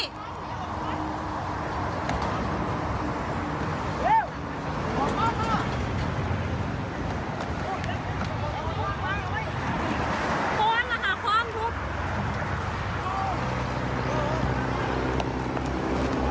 ค้นนะคะค้นทุบ